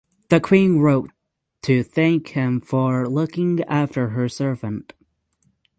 The queen wrote to thank him for looking after her servant.